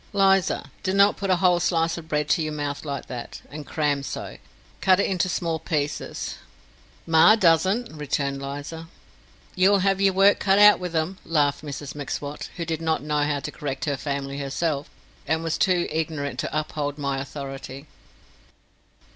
"Liza, do not put a whole slice of bread to your mouth like that, and cram so. Cut it into small pieces." "Ma doesn't," returned Liza. "Ye'll have yer work cut out with 'em," laughed Mrs M'Swat, who did not know how to correct her family herself, and was too ignorant to uphold my authority.